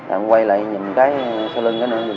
em quay lại nhìn cái sau lưng cái nữa